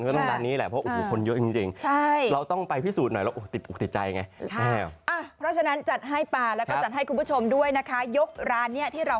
ก็ต้องทางนี้แหละพ้องคนมีจริงเราต้องไปพิสูจน์หน่อยแล้วติดหัวใจไงแรกอ่ะเพราะฉะนั้นจัดให้ป่าแล้วก็จัดให้คุณผู้ชมด้วยนะคะยกร้านเนี้ยที่เรา